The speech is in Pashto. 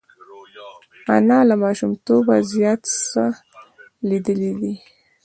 انا له ماشومتوبه زیات څه لیدلي دي